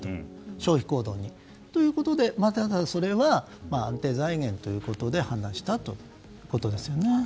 消費行動に。ということで、それは安定財源ということで判断したということですよね。